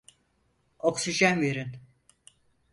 Oksijen verin.